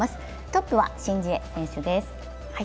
トップは申ジエ選手です。